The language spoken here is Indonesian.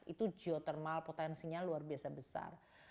itu geotermal potensinya luar biasa besar